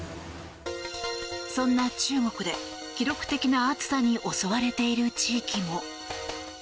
そんな中国で、記録的な暑さに襲われている地域も。